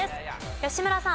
吉村さん。